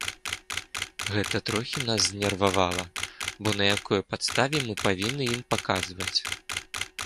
Гэта трохі нас знервавала, бо на якой падставе мы павінны ім паказваць.